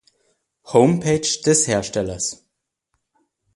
Homepage des Herstellers